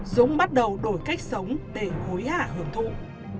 dũng bắt đầu đổi cách sống để hối hạ hướng dẫn